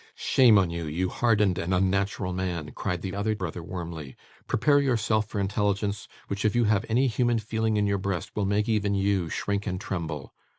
'Shame on you, you hardened and unnatural man,' cried the other brother, warmly. 'Prepare yourself for intelligence which, if you have any human feeling in your breast, will make even you shrink and tremble.